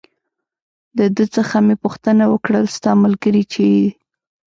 د ده څخه مې پوښتنه وکړل: ستا ملګری چېرې دی؟